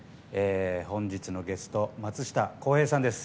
本日のゲスト、松下洸平さんです。